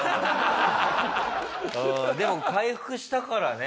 でも回復したからね